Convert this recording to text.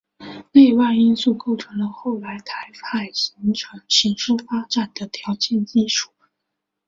内外因素构成了后来台海形势发展的条件基础。